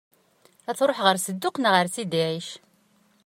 Ad tṛuḥ ɣer Sedduq neɣ ɣer Sidi Ɛic?